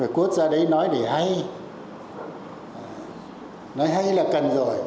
quốc gia đấy nói để hay nói hay là cần rồi